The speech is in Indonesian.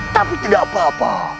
tapi tidak apa apa